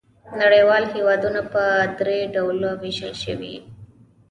نړیوال هېوادونه په درې ډولونو وېشل شوي.